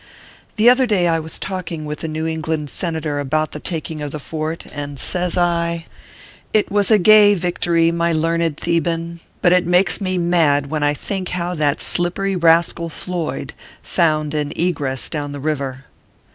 The other day I was talking with a New England Senator about the taking of the fort, and says I : 210 ORPHEUS C. KERR PAPERS. " It was a gay victory, my learned Theban ; but it makes me mad when I think how that slippery ras cal, Floyd, found an egress down the river."